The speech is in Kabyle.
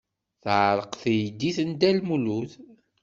Teɛreq teydit n Dda Lmulud.